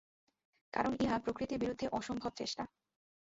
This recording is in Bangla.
কারণ ইহা প্রকৃতির বিরুদ্ধে অসম্ভব চেষ্টা।